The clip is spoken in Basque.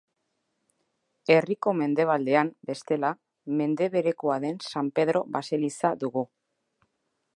Herriko mendebaldean, bestela, mende berekoa den San Pedro baseliza dugu.